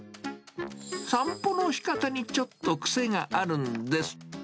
散歩の仕方にちょっと癖があるんです。